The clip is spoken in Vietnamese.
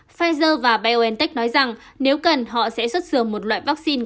pfizer và biontech nói rằng nếu cần họ sẽ xuất dường một loại vaccine